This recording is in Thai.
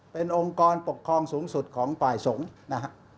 เป็นองค์กรปกครองสูงสุดของฝ่ายสงฆ์นะฮะ